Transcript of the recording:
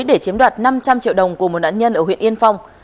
để chiếm đoạt năm trăm linh triệu đồng của một nạn nhân ở huyện yên phong